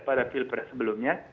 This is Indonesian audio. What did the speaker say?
pada pilpres sebelumnya